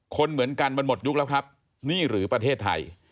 คนเหมือนกันมันหมดยุคแล้วครับนี่หรือประเทศไทย